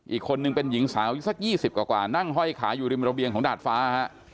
อีกคนนึงเป็นหญิงสาวอยู่สัก๒๐กว่านั่งห้อยขาอยู่ริมระเบียงของดาดฟ้าฮะ